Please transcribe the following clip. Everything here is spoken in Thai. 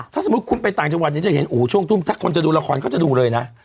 ถ้าสมมุติคุณไปต่างจังหวัดเนี่ยจะเห็นถ้าคนจะดูละครเขาจะดูเลยนะ